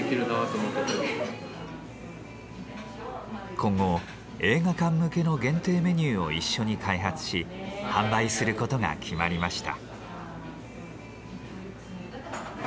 今後映画館向けの限定メニューを一緒に開発し販売することが決まりました。